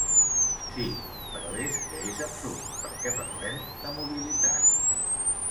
Sí, però és que és absurd perquè parlem de mobilitat.